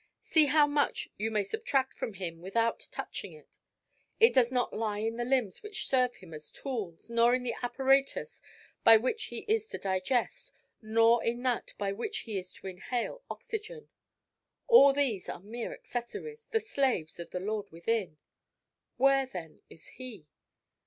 See how much you may subtract from him without touching it. It does not lie in the limbs which serve him as tools, nor in the apparatus by which he is to digest, nor in that by which he is to inhale oxygen. All these are mere accessories, the slaves of the lord within. Where, then, is he?